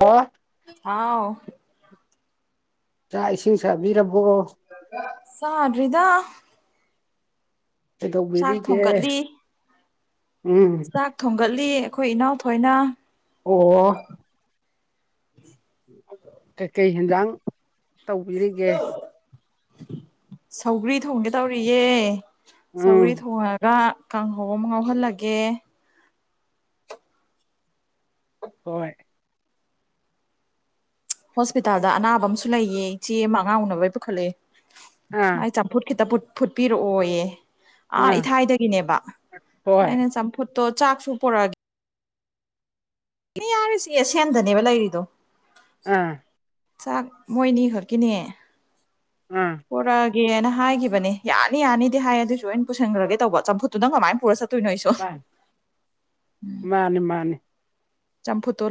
ꯑꯣ ꯍꯥꯎ ꯆꯥꯛ ꯏꯁꯤꯡ ꯆꯕꯤꯔꯕ ꯁꯥꯔꯤꯗ ꯕꯤ ꯀꯦ ꯍꯥꯏ ꯊꯣꯡꯒꯠꯂꯤ ꯆꯥꯛ ꯊꯣꯡꯒꯠꯂꯤ ꯑꯩꯈꯣꯏ ꯏꯅꯥꯎꯊꯣꯏꯅ ꯑꯣ ꯀꯩ ꯀꯩ ꯍꯤꯟꯟꯖꯥꯡ ꯇꯧꯕꯤꯔꯤꯒꯦ ꯁꯧꯒ꯭ꯔꯤ ꯊꯣꯡꯒꯦ ꯇꯧꯔꯤꯌꯦꯦ ꯁꯧꯒꯔꯤ ꯎꯝ ꯊꯣꯉꯒ ꯀꯥꯡꯍꯧ ꯑꯃ ꯉꯥꯎꯍꯜꯂꯒꯦ ꯍꯣꯏ ꯍꯣꯁꯄꯤꯇꯥꯜꯗ ꯑꯅꯥꯕ ꯑꯃꯁꯨ ꯂꯩꯌꯦ ꯏꯆꯦ ꯑꯃ ꯑꯉꯥꯡ ꯎꯅꯕ ꯄꯨꯈꯠꯂꯑꯦ ꯑꯥ ꯃꯥꯏ ꯆꯝꯐꯨꯠ ꯈꯤꯇ ꯐꯨꯠꯄꯤꯔꯛꯑꯣꯌꯦ ꯑꯥ ꯏꯊꯥꯏꯗꯒꯤꯅꯦꯕ ꯍꯣꯏ ꯑꯩꯅ ꯆꯝꯐꯨꯠꯇꯣ ꯆꯥꯛꯁꯨ ꯄꯨꯔꯛꯑꯒꯦ ꯏꯅꯤ ꯌꯥꯔꯤꯁꯤ ꯑꯦ ꯁꯦꯟꯗꯅꯦꯕ ꯂꯩꯔꯤꯗꯣ ꯑꯥ ꯆꯥꯛ ꯃꯣꯏꯅꯤ ꯈꯠꯀꯤꯅꯦ ꯑꯥ ꯦꯅ ꯍꯥꯏꯈꯤꯕꯅꯦ ꯌꯥꯅꯤ ꯌꯥꯅꯤꯗꯤ ꯍꯥꯏ ꯑꯗꯨꯏꯁꯨ ꯑꯩꯅ ꯄꯨꯁꯤꯟꯈ꯭ꯔꯒꯦ ꯇꯧꯕ ꯆꯝꯐꯨꯠꯇꯨ ꯅꯪ ꯀꯃꯥꯏꯅ ꯄꯨꯔ ꯆꯠꯦ ꯃꯥ ꯃꯥꯅꯦ ꯃꯥꯅꯦ ꯆꯝꯐꯨꯠꯇꯣ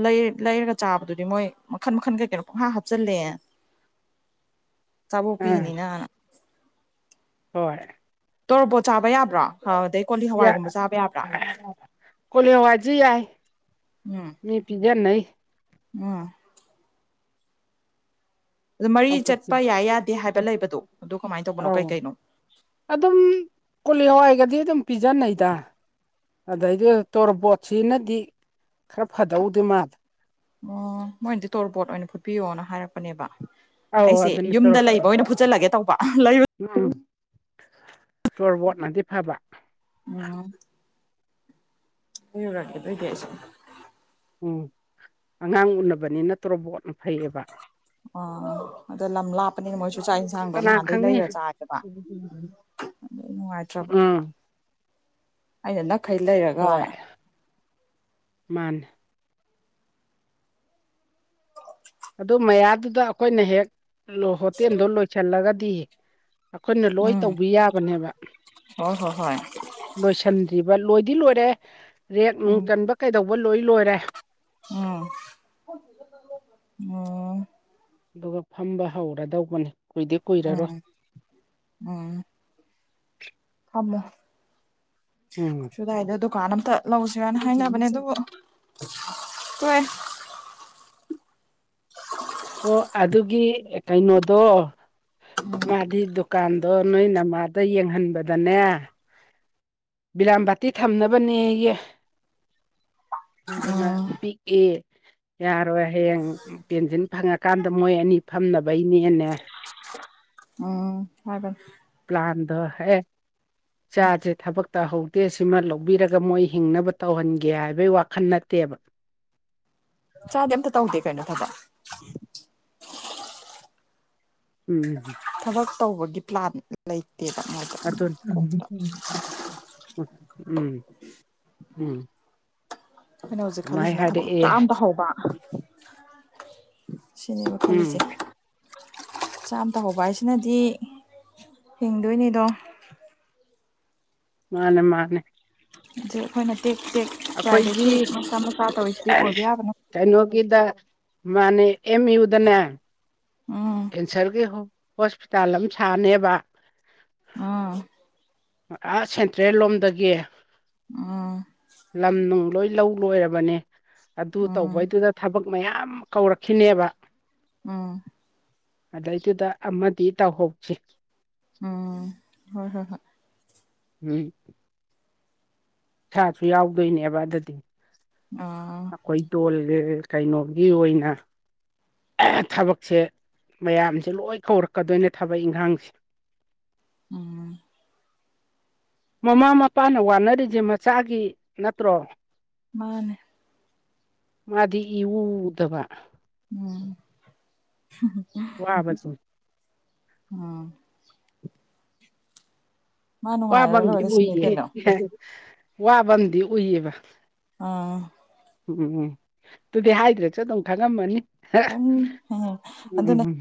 ꯂꯩꯔꯒ ꯆꯥꯕꯗꯨꯗꯤ ꯃꯣꯏ ꯃꯈꯜ ꯃꯈꯜꯒ ꯀꯩꯅꯣ ꯄꯨꯡꯍꯥ ꯍꯥꯞꯆꯤꯜꯂꯦ ꯇꯕꯨ ꯑꯥ ꯄꯤꯅꯤꯅ ꯍꯣꯏ ꯇꯧꯔꯛꯣ ꯆꯥꯕꯩ ꯌꯥ ꯀꯅ ꯑꯋꯥꯖ ꯌꯥꯏ ꯃꯤ ꯄꯤꯖꯅ ꯎ ꯑꯗꯨ ꯃꯔꯤ ꯆꯝꯐꯨꯠꯁꯤ ꯆꯠꯄ ꯌꯥꯏ ꯌꯥꯗꯦ ꯍꯥꯏꯕ ꯂꯩꯕꯗꯣ ꯑꯗꯨ ꯀꯃꯥꯏꯅ ꯇꯧꯕꯅꯣ ꯑꯧ ꯀꯩ ꯀꯩꯅꯣ ꯑꯗꯨꯝ ꯀꯣꯂꯦꯝꯋꯥꯏꯒꯗꯤ ꯑꯗꯨꯝ ꯄꯤꯖꯅꯩꯗ ꯑꯗꯩꯗꯤ ꯇꯣꯔꯕꯣꯠꯁꯤꯅꯗꯤ ꯈꯔ ꯐꯗꯍꯧꯗꯦ ꯃꯥꯗ ꯑꯣ ꯃꯣꯏꯅꯗꯤ ꯇꯣꯔꯕꯣꯠ ꯑꯣꯏꯅ ꯐꯨꯠꯄꯤꯌꯣꯅ ꯍꯥꯏꯔꯛꯄꯅꯦꯕ ꯑꯧ ꯑꯩꯁꯦ ꯑꯗꯨꯅꯤ ꯇꯣꯔꯣ ꯌꯨꯝꯗ ꯂꯩꯕ ꯑꯣꯏꯅ ꯐꯨꯠꯆꯜꯂꯒꯦ ꯇꯧꯕ ꯂꯩꯔꯨ ꯎꯝ ꯁꯣꯔꯕꯣꯠꯅꯗꯤ ꯐꯕ ꯑ ꯌ ꯔꯀꯦ ꯇ ꯀꯁ ꯎꯝ ꯑꯉꯥꯡ ꯎꯅꯕꯅꯤ ꯅꯠꯇ꯭ꯔꯣꯕꯣꯠ ꯑ ꯑꯗꯨ ꯂ ꯂꯥꯄꯅꯤ ꯃ ꯆ ꯆꯥꯛ ꯌꯦꯟꯁꯥꯡꯗꯣ ꯀꯅꯥ ꯅꯍꯥꯟꯗꯩ ꯈꯪꯅꯤ ꯂꯩꯔ ꯆꯥꯒꯦꯕ ꯑꯗꯨ ꯅꯨꯡꯉꯥꯏꯇ꯭ꯔꯕ ꯎꯝ ꯑꯩꯅ ꯅꯥꯈꯩ ꯂꯩꯔꯒꯅ ꯃꯥꯟ ꯑꯗꯨ ꯃꯌꯥꯗꯨꯗ ꯑꯩꯈꯣꯏꯅ ꯍꯦꯛ ꯍꯣꯇꯦꯜꯗꯣ ꯂꯣꯏꯁꯤꯜꯂꯒꯗꯤ ꯑꯩꯈꯣꯏꯅ ꯂꯣꯏ ꯎꯝ ꯇꯧꯕꯤ ꯌꯥꯕꯅꯦꯕ ꯍꯣꯏ ꯍꯣꯏ ꯍꯣꯏ ꯂꯣꯏꯁꯤꯟꯗ꯭ꯔꯤꯕ ꯂꯣꯏꯗꯤ ꯂꯣꯏꯔꯦ ꯔꯦꯛ ꯅꯨꯡ ꯎꯝ ꯆꯟꯕ ꯀꯩꯗꯧꯕ ꯂꯣꯏ ꯂꯣꯏꯔꯦ ꯎꯝ ꯎꯝ ꯑꯗꯨꯒ ꯐꯝꯕ ꯍꯧꯔꯗꯧꯕꯅꯤ ꯀꯨꯏꯗꯦ ꯎꯝ ꯀꯨꯏꯔꯔꯣꯏ ꯑꯃꯝꯕ ꯎꯝ ꯁꯨꯗꯏꯗ ꯗꯨꯀꯥꯟ ꯑꯝꯇ ꯂꯧꯁ ꯍꯥꯏꯅ ꯍꯥꯏꯅꯕꯅꯦ ꯑꯗꯨꯕꯨ ꯑꯣꯏꯣꯏ ꯑꯣ ꯑꯗꯨꯒꯤ ꯀꯩꯅꯣꯗꯣ ꯃꯥꯗꯤ ꯗꯨꯀꯥꯟ ꯑꯗꯣ ꯅꯣꯏ ꯅꯃꯥꯗ ꯌꯦꯡꯍꯟꯕꯗꯅꯦ ꯕꯤꯔꯥꯝꯕꯥꯇꯤ ꯊꯝꯅꯕꯅꯦ ꯑꯗꯨꯅ ꯎꯝ ꯄꯤꯛꯏ ꯌꯥꯔꯣꯏ ꯍꯌꯦꯡ ꯇꯦꯟꯁꯤꯟ ꯐꯪꯉ ꯀꯥꯟꯗ ꯃꯣꯏ ꯑꯅꯤ ꯐꯝꯅꯕꯩꯅꯦꯅꯦ ꯎꯝ ꯍꯥꯏ ꯄ꯭ꯂꯥꯟꯗ ꯍꯥꯏ ꯆꯥꯖꯦ ꯊꯕꯛ ꯇ ꯍ ꯛꯇꯦꯁꯤꯃ ꯂꯧꯕꯤꯔꯒ ꯃꯣꯏ ꯍꯤꯡꯅꯕ ꯇꯧꯍꯟꯒꯦ ꯍꯥꯏꯕꯒꯤ ꯋꯥꯈꯜ ꯅꯠꯇꯦꯕ ꯆꯗ ꯌꯥꯝ ꯊ ꯇ ꯎꯨꯛꯇꯦ ꯀꯩꯅꯅ ꯊꯥꯗ ꯎꯝ ꯊꯕꯛ ꯇꯧꯕꯒꯤ ꯄ꯭ꯂꯥꯟ ꯂꯩ ꯑꯣ ꯎꯝ ꯎꯝ ꯑꯩꯈꯣꯏꯅ ꯍꯧꯖꯤꯛ ꯑꯗꯨꯃꯥꯏꯅ ꯈꯜꯂꯤꯁꯤꯅ ꯊꯕꯛ ꯃꯆꯥ ꯍꯥꯏꯔꯛꯑꯦ ꯑ ꯑꯃ ꯇ ꯍꯧꯕ ꯁꯤꯅꯦꯕ ꯎꯝ ꯀꯣꯂꯤꯦꯖꯦ ꯆꯥꯝ ꯇ ꯍꯧꯕ ꯍꯥꯏꯁꯤꯅꯗꯤ ꯍꯤꯡꯗꯣꯏꯅꯤꯗꯣ ꯃꯥꯅꯦ ꯃꯥꯅꯦ ꯑꯗꯨ ꯑꯩꯈꯣꯏꯅ ꯇꯦꯛ ꯇꯦꯛ ꯑꯩꯈꯣꯏꯒꯤ ꯀꯥꯏꯗꯗꯒꯤ ꯃꯆꯥ ꯃꯆꯥ ꯇꯧꯔꯤꯁꯤꯗꯤ ꯑꯣꯏꯕ ꯌꯥꯕꯅꯣ ꯀꯩꯅꯣꯒꯤꯗ ꯃꯥꯅꯦ ꯑꯃꯤ ꯏ ꯎꯗꯅ ꯎꯝ ꯀꯦꯟꯁꯔꯒꯤ ꯍꯣꯁꯄꯤꯇꯥꯜ ꯑꯃ ꯁꯥꯅꯦꯕ ꯑꯥ ꯑꯁ ꯁꯦꯟꯇ꯭ꯔꯦꯜ ꯂꯣꯝꯗꯒꯤ ꯎꯝ ꯂꯝ ꯅꯨꯡ ꯂꯣꯏ ꯂꯧ ꯂꯣꯏꯔꯕꯅꯦ ꯑꯗꯨ ꯎꯝ ꯇꯧꯕꯩꯗꯨꯗ ꯊꯕꯛ ꯃꯌꯥꯝ ꯀꯧꯔꯛꯈꯤꯅꯦꯕ ꯎꯝ ꯑꯗꯩꯗꯨꯗ ꯑꯃꯗꯤ ꯇꯧꯍꯧꯁꯤ ꯎꯝ ꯍꯣꯏ ꯍꯣꯏ ꯍꯣꯏ ꯎꯝ ꯁꯥꯁꯨ ꯌꯥꯎꯗꯣꯏꯅꯦꯕ ꯑꯗꯨꯗꯤ ꯑꯥ ꯇꯣꯜ ꯀꯩꯅꯣꯒꯤ ꯑꯣꯏꯅ ꯊꯕꯛꯁꯦ ꯃꯌꯥꯝꯁꯦ ꯂꯣꯏ ꯀꯧꯔꯛꯀꯗꯣꯏꯅꯦ ꯊꯕꯛ ꯏꯪꯈꯥꯡꯁꯦ [inaudible] ꯎꯝ ꯃꯃꯥ ꯃꯄꯥꯅ ꯋꯥꯅꯔꯤꯁꯦ ꯃꯆꯥꯒꯤ ꯅꯠꯇ꯭ꯔꯣ ꯃꯥꯅꯦ ꯃꯥꯗꯤ ꯏꯎꯗꯕ ꯎꯝ ꯋꯥꯕꯆ ꯑꯣ ꯋꯥꯐꯝꯝꯗꯤ ꯁꯤꯅꯤ ꯎꯏꯌꯦ ꯀꯩꯅꯣ ꯋꯥꯐꯝꯗꯤ ꯎꯏꯌꯦꯕ ꯑ ꯎꯝ ꯎꯝ ꯑꯗꯨꯗꯤ ꯍꯥꯏꯗ꯭ꯔꯦꯁꯨ ꯑꯗꯨꯝ ꯈꯪꯉꯝꯃꯅꯤ ꯎꯝ ꯎꯝ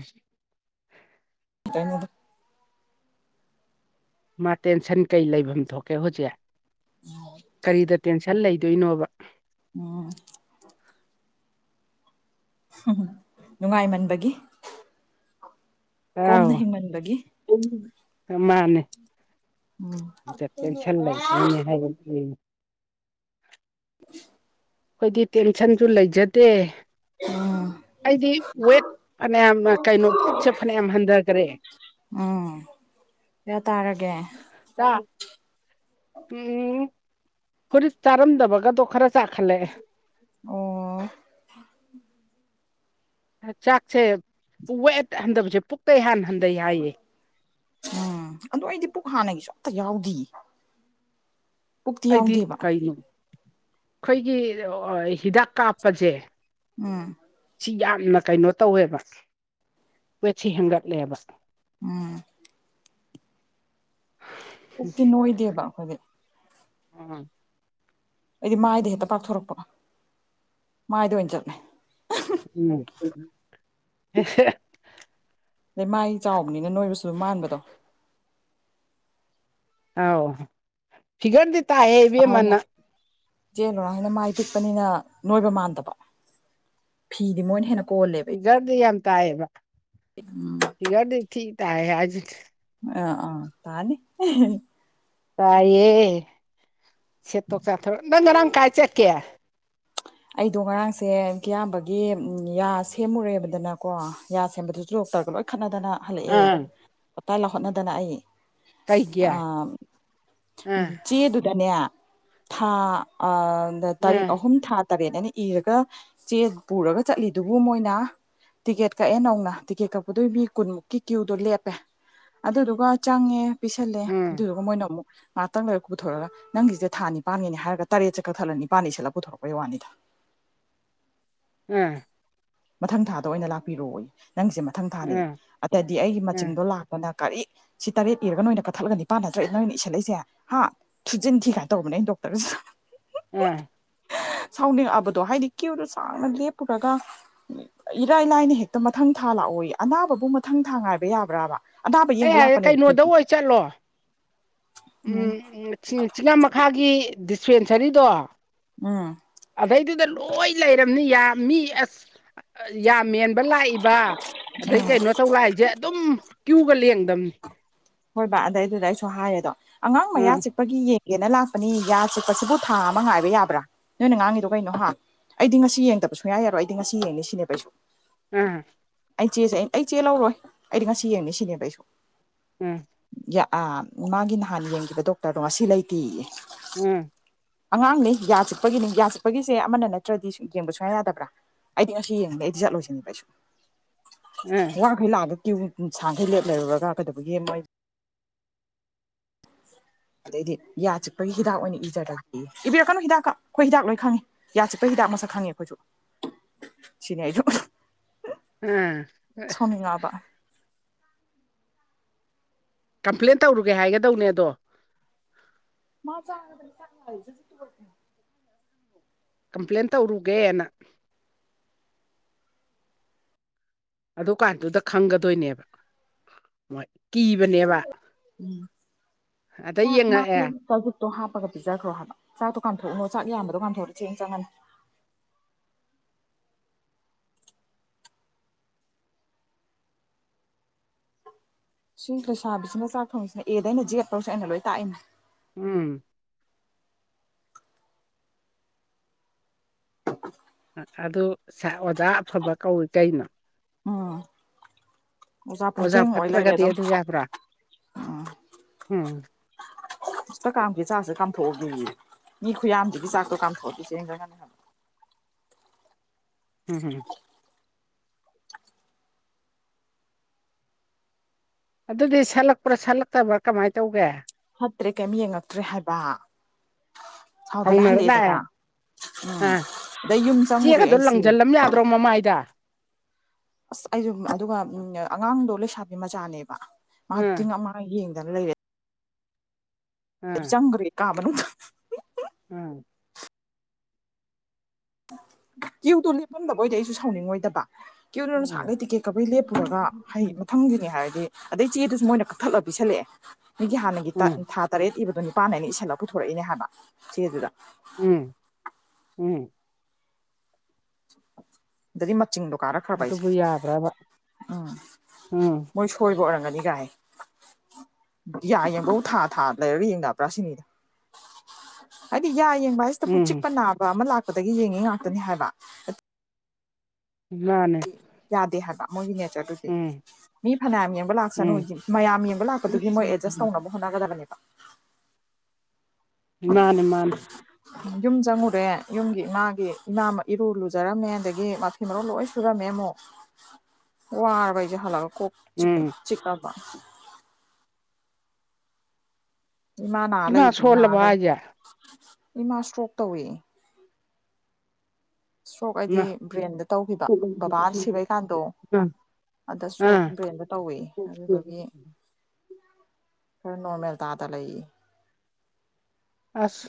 ꯑꯇꯩꯅꯣ ꯃꯥ ꯇꯦꯟꯁꯟ ꯀꯩ ꯂꯩꯐꯝ ꯊꯣꯛꯀꯦ ꯍꯧꯖꯤꯛ ꯀꯔꯤꯗ ꯇꯦꯟꯁꯟ ꯂꯩꯗꯣꯏꯅꯣꯕ ꯑꯣ ꯅꯨꯡꯉꯥꯏꯃꯟꯕꯒꯤ ꯑꯥꯎ ꯀꯣꯝꯅ ꯍꯤꯡꯃꯟꯕꯒꯤ ꯃꯥꯅꯦ ꯎꯝ ꯆ ꯆꯂ ꯍꯥꯏ ꯑꯩꯈꯣꯏꯗꯤ ꯇꯦꯟꯁꯟꯁꯨ ꯂꯩꯖꯗꯦ ꯑꯩꯗꯤ ꯋꯦꯠ ꯐꯅꯌꯥꯝ ꯀꯩꯅꯣ ꯄꯨꯛꯁꯦ ꯐꯅꯌꯥꯝ ꯍꯟꯊꯈ꯭ꯔꯦ [inaudible] ꯎꯝ ꯀꯌꯥ ꯇꯥꯔꯒꯦ ꯍꯨꯔꯤ ꯆꯥꯔꯝꯗꯕꯒꯗꯣ ꯈꯔ ꯆꯥꯈꯠꯂꯛꯑꯦ ꯑꯣ ꯆꯥꯛꯁꯦ ꯋꯦꯠ ꯍꯟꯊꯕꯁꯦ ꯄꯨꯛꯀꯩ ꯍꯥꯟꯅ ꯍꯟꯊꯩ ꯍꯥꯏꯌꯦ ꯎꯝ ꯑꯗꯨ ꯑꯩꯗꯤ ꯄꯨꯛ ꯍꯥꯟꯅꯒꯤꯁꯨ ꯑꯝꯇ ꯌꯥꯎꯗ ꯑꯩꯗꯤ ꯀꯩꯅꯣ ꯑꯩꯈꯣꯏꯒꯤ ꯍꯤꯗꯥꯛ ꯀꯥꯞꯄꯁꯦ ꯎꯝ ꯁꯤ ꯌꯥꯝꯅ ꯀꯩꯅꯣ ꯇꯧꯋꯦꯕ ꯋꯦꯠꯁꯤ ꯍꯦꯟꯒꯠꯂꯦꯕ ꯎꯝ ꯎꯛꯇꯤ ꯅꯣꯏꯗꯦꯕ ꯑꯩꯈꯣꯏꯗꯤ ꯎꯝ ꯑꯩꯗꯤ ꯃꯥꯏꯗ ꯍꯦꯛꯇ ꯄꯥꯛꯊꯣꯔꯛꯄ ꯃꯥꯏꯗ ꯑꯣꯏꯅ ꯆꯠꯂ ꯎꯝ ꯂꯩ ꯃꯥꯏ ꯆꯥꯎꯕꯅꯤꯅ ꯅꯣꯏꯔꯁꯨ ꯑꯗꯨ ꯃꯥꯟꯕꯗꯣ ꯑ ꯁꯤꯤꯒꯔꯗꯤ ꯇꯥꯏꯑꯦ ꯏꯕ ꯃꯅ ꯆꯦ ꯂꯣꯏꯨꯔꯥꯡꯅ ꯃꯥꯏ ꯇꯤꯛꯄꯅꯤꯅ ꯅꯣꯏꯕ ꯃꯥꯟꯗꯕ ꯐꯤꯗꯤ ꯃꯣꯏꯅ ꯍꯦꯟꯅ ꯀꯣꯜꯂꯦꯕ ꯐꯤꯒꯔꯗꯤ ꯌꯥꯝ ꯇꯥꯏꯌꯦꯕ ꯐꯤꯒꯔꯗꯤ ꯊꯤ ꯇꯥꯏ ꯍꯥꯏꯁꯤꯗꯤ ꯑ ꯑꯥ ꯇꯅꯤꯦ ꯇꯥꯏꯌꯦꯦ ꯁꯦꯠꯇꯣꯛ ꯆꯥꯊꯣꯛ ꯅꯪꯒꯔꯝ ꯀꯥꯏ ꯆꯠꯀꯦ ꯑꯩꯗꯣ ꯉꯔꯥꯡꯁꯦ ꯀꯌꯥꯝꯕꯒꯤ ꯌꯥ ꯁꯦꯝꯃꯨꯔꯦꯕꯗꯅꯀꯣ ꯌꯥ ꯁꯦꯝꯕꯗꯨꯁꯨ ꯂ ꯗꯣꯛꯇꯔꯒ ꯂꯣꯏ ꯈꯠꯅꯗꯅ ꯍꯜꯂꯛꯑꯦ ꯑꯥ ꯍꯇ ꯂꯥꯎꯍꯠꯅꯗꯅ ꯑꯩ ꯀꯩꯒꯤ ꯑ ꯑꯥ ꯆ ꯑꯗꯨ ꯅꯦ ꯊꯥ ꯇꯥꯔꯤꯛ ꯑꯥ ꯑꯍꯨꯝ ꯊꯥ ꯇꯔꯦꯠ ꯑꯅ ꯏꯔꯒ ꯆꯦ ꯄꯨꯔꯒ ꯆꯠꯂꯤꯗꯨꯕꯨ ꯃꯣꯏꯅ ꯇꯤꯛꯀꯦꯠ ꯀꯛꯑꯦ ꯅꯧꯅ ꯇꯤꯛꯀꯦꯠ ꯀꯛꯄꯗ ꯃꯤ ꯀꯨꯟꯃꯨꯛꯀꯤ ꯀ꯭ꯌꯨꯗꯣ ꯂꯦꯞꯄꯦ ꯑꯗꯨꯗꯨꯒ ꯆꯪꯉꯦ ꯄꯤꯁꯜꯂꯦ ꯎꯝ ꯑꯗꯨꯗꯨꯒ ꯃꯣꯏꯅ ꯑꯃꯨꯛ ꯉꯥꯛꯇꯪ ꯂꯩꯔ ꯄꯨꯊꯣꯔꯑꯒ ꯅꯪꯒꯤꯁꯦ ꯊꯥꯅꯤ ꯄꯥꯟꯅꯤꯅꯦ ꯍꯥꯏꯔꯒ ꯇꯔꯦꯠ ꯆꯠ ꯀꯛꯊꯂꯅꯤ ꯄꯥꯟꯅꯤ ꯏꯁ ꯁꯤꯜꯂꯞ ꯄꯨꯊꯣꯔꯄꯩ ꯋꯥꯅꯤ ꯎꯝ ꯃꯊꯪ ꯊꯥꯗ ꯑꯣꯏꯅ ꯂꯥꯛꯄꯤꯔꯛꯑꯣꯏ ꯅꯪꯁꯦ ꯃꯊꯪ ꯊꯥꯅꯦ ꯑꯥ ꯑꯇꯗꯤ ꯑꯩꯒꯤ ꯑꯥ ꯃꯆꯤꯟꯗꯣ ꯂꯥꯛꯇꯅ ꯥꯔꯤ ꯁꯤ ꯇꯔꯦꯠ ꯏꯔꯒ ꯅꯣꯏꯅ ꯀꯛꯊꯠꯂꯒ ꯅꯤꯄꯥꯥꯟ ꯅꯠꯇ꯭ꯔꯦꯠ ꯅꯣꯏꯅ ꯏꯁꯤꯜꯂꯛꯏꯁꯦ ꯍꯥ ꯊꯨꯖꯤꯟ ꯊꯤ ꯀꯥꯏꯅ ꯇꯧꯕꯕꯅꯦ ꯅꯩꯅ ꯗꯣꯛ ꯇ ꯑꯝ ꯁꯥꯎꯅꯤꯡꯉꯛꯑꯕꯗꯣ ꯍꯥꯏꯗꯤ ꯀ꯭ꯌꯨꯗꯣ ꯆꯥꯡꯅ ꯂꯦꯞꯄꯨꯔꯒ ꯏꯔꯥꯏ ꯂꯥꯏꯅ ꯍꯦꯛꯇ ꯃꯊꯪ ꯊꯥ ꯂꯥꯛꯑꯣ ꯍꯣꯏ ꯑꯅꯥꯕꯕꯨ ꯃꯊꯪ ꯊꯥꯡ ꯉꯥꯏꯕ ꯌꯥꯕ꯭ꯔꯥꯕ ꯑꯅꯥꯕ ꯑꯩ ꯌꯦꯡꯕ ꯍꯥꯏꯔꯦ ꯂꯥꯛꯄꯅꯦꯕ ꯀꯩꯅꯣꯗ ꯑꯩꯈꯣꯏꯒꯤ ꯑꯣꯏ ꯆꯠꯂꯣ ꯎꯝ ꯆꯤꯉ ꯃꯈꯥꯒꯤ ꯗꯤꯁꯄꯦꯟꯁꯔꯤꯗꯣ ꯎꯝ ꯑꯗꯩꯗꯨꯗ ꯂꯣꯏ ꯂꯩꯔꯕꯝꯅꯤ ꯌꯥꯝ ꯃꯤ ꯑꯁ ꯌꯥꯝ ꯃꯦꯟꯕ ꯂꯥꯛꯏꯕ ꯑꯗꯩ ꯎꯝ ꯀꯩꯅꯣ ꯇꯧꯕ ꯂꯏꯁꯦ ꯑꯗꯨꯝ ꯀ꯭ꯌꯨꯒ ꯂꯦꯡꯕ ꯗꯝ ꯍꯣꯏ ꯕꯥ ꯑꯗꯨꯗꯩꯗꯨꯗ ꯑꯩꯁꯨ ꯍꯥꯏꯔꯦ ꯑꯗꯣ ꯑꯉꯥꯡ ꯑꯥ ꯃꯌꯥ ꯆꯤꯛꯄꯒꯤ ꯌꯦꯡꯉ ꯌꯦꯅ ꯂꯥꯛꯄꯅꯤ ꯌꯥ ꯆꯤꯛꯄꯁꯤꯕꯨ ꯊꯥ ꯑꯃ ꯉꯥꯏꯕ ꯌꯥꯕ꯭ꯔꯥ ꯅꯣꯏꯅ ꯉꯥꯡꯉꯤꯗꯣ ꯀꯩꯅꯣ ꯍꯥ ꯑꯩꯗꯤ ꯉꯁꯤ ꯌꯦꯡꯗꯕ ꯁꯨꯡꯌꯥꯏ ꯌꯥꯔꯣꯏ ꯑꯩꯗꯤ ꯉꯁꯤ ꯌꯦꯡꯅꯤ ꯁꯤꯅꯦꯕ ꯑꯩꯁꯨ ꯑꯝ ꯑꯩ ꯆꯦꯁꯦ ꯑꯩ ꯑꯩ ꯆꯦ ꯂꯧꯔꯣꯏ ꯑꯩꯗꯤ ꯉꯁꯤ ꯌꯦꯡꯅꯤ ꯁꯤꯅꯦꯕ ꯑꯩꯁꯨ ꯍ ꯌꯥ ꯑꯥ ꯃꯥꯒꯤ ꯅꯍꯥꯟ ꯌꯦꯡꯈꯤꯕ ꯗꯣꯛꯇꯔꯗꯣ ꯉꯁꯤ ꯂꯩꯇꯦ ꯎꯝ ꯑꯉꯥꯡꯅꯤ ꯌꯥ ꯆꯤꯛꯄꯒꯤꯅꯤ ꯌꯥ ꯆꯤꯛꯄꯒꯤꯁꯦ ꯑꯃꯅ ꯅꯠꯇ꯭ꯔꯗꯤ ꯌꯦꯡꯕ ꯁꯨꯡꯌꯥ ꯌꯥꯗꯕ꯭ꯔꯥ ꯑꯩꯗꯤ ꯉꯁꯤ ꯌꯦꯡꯕꯦ ꯑꯩꯗꯤ ꯆꯠꯂꯣꯏꯁꯅꯤ ꯀꯩꯁꯨ ꯑꯥ ꯋꯥꯥꯡꯈꯩ ꯂꯥꯛꯑꯒ ꯀ꯭ꯌꯨ ꯁꯥꯡꯈꯩ ꯂꯦꯞ ꯂꯩꯔꯨꯔꯒ ꯀꯩꯗꯧꯕ ꯌꯦꯦꯝꯃꯣꯏ ꯑꯗꯩꯗꯤ ꯌꯥ ꯆꯤꯛꯄꯒꯤ ꯍꯤꯗꯥꯛ ꯑꯣꯏꯅ ꯏꯖꯔꯒꯦ ꯏꯕꯤꯔꯛꯀꯅꯨ ꯍꯤꯗꯥꯛꯀ ꯑꯩꯈꯣꯏꯤꯗꯥꯛ ꯂꯣꯏ ꯈꯪꯉꯤ ꯌꯥ ꯆꯤꯛꯄꯒꯤ ꯍꯗ ꯃꯁꯛꯪꯉꯦꯈꯣꯏꯁꯨ [inaudible] ꯁꯤꯅꯤ ꯍꯥꯏꯏꯁꯨꯣ ꯎꯝ ꯀꯝꯄ꯭ꯂꯦꯟ ꯇꯧꯔꯨꯒꯦ ꯍꯥꯏꯒꯗꯧꯅꯦ ꯑꯗꯣ ꯃꯥ ꯆꯥꯡ ꯇ ꯆ ꯍꯥꯏ ꯀꯝꯄ꯭ꯂꯦꯟ ꯇꯧꯔꯨꯒꯦꯅ ꯑꯗꯨꯀꯥꯟꯗꯨꯗ ꯈꯪꯒꯗꯣꯏꯅꯦꯕ ꯃꯣꯏ ꯀꯤꯕꯅꯦꯕ ꯑꯗꯩ ꯌꯦꯡꯉꯛꯑꯦ ꯇꯣ ꯍꯥꯞꯄꯒ ꯄꯤꯖꯈ꯭ꯔꯣ ꯍꯥꯏꯕ ꯆꯥꯛꯇꯣ ꯀꯥꯝꯊꯣꯛꯎꯑꯣꯣ ꯆꯥꯛ ꯌꯥꯝꯕꯗꯣ ꯀꯥꯝꯊꯣꯛꯑ ꯆꯦꯡ ꯆꯪꯉꯅꯤ [inaudible] ꯁꯤꯁꯤꯡ ꯂꯩꯁꯥꯕꯤꯁꯤꯅ ꯆꯥꯛ ꯊꯣꯡꯤꯁꯤꯅ ꯑꯦꯗ ꯑꯩꯅ ꯌꯦꯠꯄꯧꯁꯨ ꯑꯩꯅ ꯂꯣꯏ ꯇꯥꯛꯏꯅꯦ ꯎꯝ ꯑꯗꯨ ꯑꯣꯖꯥ ꯑꯐꯕ ꯀꯧꯏ ꯀꯩꯅꯣ ꯑꯣꯝ ꯑꯣꯖꯥ ꯐꯠꯇ꯭ꯔꯒꯗꯤ ꯑꯗꯨ ꯌꯥꯕ꯭ꯔꯥ ꯎꯝ ꯇ ꯀꯥꯝꯒꯤꯦ ꯆꯥꯔꯁꯦ ꯀꯥꯝꯊꯣꯛꯑꯒꯦ ꯃꯤ ꯈꯨꯌꯥꯝꯗꯨꯒꯤ ꯆꯥꯛꯇꯣ ꯀꯥꯝꯊꯣꯛꯑꯗꯁꯦꯡꯅꯒꯅꯤ ꯍꯥꯏ ꯍꯝ ꯍꯝ ꯑꯗꯨꯗꯤ ꯁꯠꯂꯛꯄ꯭ꯔꯥ ꯁꯠꯂꯛꯇꯕ꯭ꯔꯥ ꯀꯃꯥꯏꯅ ꯇꯧꯒꯦ ꯍꯠꯇ꯭ꯔꯦ ꯀꯩꯝ ꯌꯦꯡꯉꯛꯇ꯭ꯔꯦ ꯍꯥꯏꯕ ꯍꯥꯎꯗꯅ ꯍꯧꯅꯔ ꯂꯥꯛꯑꯦ ꯍꯜꯂꯛꯑꯦꯗꯅ ꯎꯝ ꯑꯥ ꯑꯗꯩ ꯌꯨꯝ ꯆꯪꯉꯨꯔꯦ ꯆꯦꯒꯗꯣ ꯑꯩꯁꯦ ꯂꯪꯁꯤꯜꯂꯝ ꯌꯥꯗ꯭ꯔꯣ ꯃꯃꯥꯏꯗ ꯑꯁ ꯑꯩꯁꯨ ꯑꯗꯨꯒ ꯑꯉꯥꯡꯗꯣ ꯂꯩꯁꯥꯕꯤ ꯃꯆꯥꯅꯦꯕ ꯃꯥ ꯑꯥ ꯇꯤꯡ ꯑꯃ ꯌꯦꯉ ꯆ ꯂꯩꯒꯦ ꯆꯪꯒꯔꯤ ꯀꯥꯕꯅꯗ ꯎꯝ ꯀ꯭ꯌꯨꯗꯨ ꯂꯦꯞꯄꯝꯗꯕ ꯑꯣꯏꯗꯤ ꯑꯩꯁꯨ ꯁꯥꯎꯅꯤꯡꯉꯣꯏꯗꯕ ꯀ꯭ꯌꯨꯗ ꯎꯝ ꯅꯁꯥꯡꯅꯩ ꯇꯤꯛꯀꯦꯠ ꯀꯛꯄꯩ ꯂꯦꯞꯄꯨꯔꯒ ꯍꯩ ꯃꯊꯪꯒꯤꯅꯤ ꯍꯥꯏꯔꯗꯤ ꯑꯗꯩ ꯆꯦꯗꯨꯁꯨ ꯃꯣꯏꯅ ꯀꯛꯊꯠꯂꯒ ꯄꯤꯁꯜꯂꯛꯑꯦ ꯅꯣꯏꯒꯤ ꯍꯥꯟꯅꯒꯤ ꯎꯝ ꯊꯥ ꯇꯔꯦꯠ ꯏꯕ ꯑꯗꯣ ꯅꯨꯄꯥꯟ ꯏꯁꯜꯂꯒ ꯄꯨꯊꯣꯔꯛꯏꯅꯦ ꯍꯥꯏꯕ ꯆꯦꯗꯨꯗ ꯎꯝ ꯎꯝ ꯑꯗꯨꯏ ꯃꯆꯤꯡꯗ ꯀꯔꯈ꯭ꯔꯕ ꯍꯥꯏꯁꯦ ꯑꯗꯨꯕꯨ ꯌꯥꯕ꯭ꯔꯕ ꯎꯝ ꯎꯝ ꯃꯣꯏ ꯁꯣꯏꯕ ꯑꯣꯏꯔꯝꯒꯅꯤ ꯅꯤ ꯀꯥꯏ ꯌꯥ ꯌꯦꯡꯕꯧ ꯊꯥ ꯊꯥ ꯂꯩꯔꯒ ꯌꯦꯡꯗꯕ꯭ꯔꯥ ꯁꯤꯅꯤꯗ ꯍꯥꯏꯗꯤ ꯌꯥ ꯌꯦꯡꯕ ꯍꯥꯏꯁꯤꯇꯕꯨ ꯎꯝ ꯆꯤꯛꯄ ꯅꯥꯕ ꯑꯃ ꯂꯥꯛꯄꯗꯒꯤ ꯌꯦꯡꯉꯤ ꯉꯥꯛꯇꯅꯤ ꯍꯥꯏꯕ ꯃꯥꯅꯦ ꯑꯗꯨꯗꯤ ꯎꯝ ꯃꯤ ꯐꯅꯌꯥꯝ ꯌꯦꯡꯕ ꯂꯥꯛꯁꯅꯨ ꯎꯝ ꯃꯌꯥꯝ ꯌꯦꯡꯕ ꯂꯥꯛꯄꯗꯨꯒꯤ ꯃꯣꯏ ꯑꯦꯗꯖꯁ ꯇꯧꯅꯕ ꯍꯣꯠꯅꯒꯗꯕꯅꯦꯕ ꯃꯥꯅꯦ ꯃꯥꯅꯦ ꯌꯨꯝ ꯆꯪꯉꯨꯔꯦ ꯌꯨꯝꯒꯤ ꯏꯃꯥꯒꯤ ꯏꯃꯥ ꯏꯔꯨ ꯂꯨꯖꯔꯝꯃꯦ ꯑꯗꯒꯤ ꯃꯐꯤ ꯃꯔꯣꯟ ꯂꯣꯏ ꯁꯨꯔꯝꯃꯦ ꯑꯃꯨꯛ ꯋꯥꯔꯕ ꯑꯩꯁ‌ꯦ ꯍꯂꯛ ꯀ‌ꯣꯛ ꯆꯤꯛ ꯎꯝ ꯆꯤꯛꯑꯕꯥ ꯏꯃꯥ ꯅꯥ ꯂꯩ ꯅꯥ ꯁꯣꯜꯂꯕꯣ ꯂꯩ ꯍꯥꯏꯖꯦ ꯏꯃꯥ ꯏꯁꯇ꯭ꯔꯣꯛ ꯇꯧꯏ ꯁꯇ‌ꯣꯛ ꯍꯥꯏꯗꯤ ꯏꯃꯥ ꯕ꯭ꯔꯦꯟꯗ ꯇꯧꯈꯤꯕ ꯕꯕꯥ ꯁꯤꯕꯩꯀꯥꯟꯗꯣ ꯑꯗ ꯁꯣꯞ ꯑꯥ ꯕ꯭ꯔꯦꯟꯗ ꯇꯧꯋꯤ ꯑꯗꯨꯗꯨꯒꯤ ꯈꯔ ꯅꯣꯔꯃꯦꯜ ꯇꯥꯗꯟ ꯂꯩ ꯑꯁ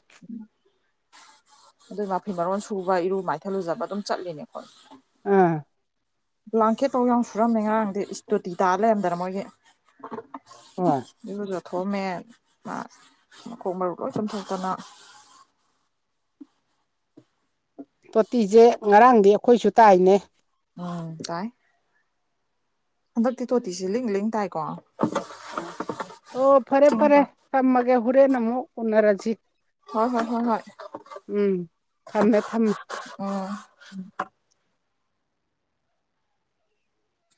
ꯑꯗꯨꯏ ꯃꯐꯤ ꯃꯔꯣꯟ ꯁꯨꯕ ꯏꯔꯨ ꯃꯥꯏꯊꯜꯂꯨꯖꯕ ꯑꯗꯨꯝ ꯆꯠꯂꯤꯅꯤ ꯑꯈ‌ꯣꯏ ꯑꯥ ꯕ꯭ꯂꯥꯡꯀꯦꯠ ꯐꯧ ꯌꯥꯎꯟ ꯁꯨꯔꯝꯃꯦ ꯉꯔꯥꯡꯗꯤ ꯏꯁꯇꯨꯇꯤ ꯇꯥꯔ ꯂꯩꯔꯝꯗꯅ ꯃꯣꯏꯒꯤ ꯍꯣꯏ ꯏꯔꯨꯖꯕ ꯊꯣꯛꯑꯝꯃꯦ ꯃꯈꯣꯛ ꯃꯔꯨ ꯂꯣꯏ ꯆꯨꯝꯝꯊꯣꯛꯇꯅ [inaudible] ꯄꯣꯇꯤꯁꯦ ꯉꯔꯥꯡꯗꯤ ꯑꯩꯈꯣꯏꯁꯨ ꯇꯥꯏꯅꯦ ꯎꯝ ꯇꯥꯏ ꯍꯟꯗꯛꯇꯤ ꯇꯣꯇꯤꯁꯤꯦ ꯂꯤꯡ ꯂꯤꯡ ꯇꯥꯏꯀꯣ ꯑ ꯑꯣ ꯐꯔꯦ ꯐꯔꯦ ꯊꯝꯃꯒꯦ ꯍꯣꯔꯦꯟ ꯑꯃꯨꯛ ꯎꯅꯔꯁꯤ ꯍꯣꯏ ꯍꯣꯏ ꯍꯣꯏ ꯍꯣꯏ ꯎꯝ ꯊꯝꯃꯦ ꯊꯝꯃꯦ ꯎꯝ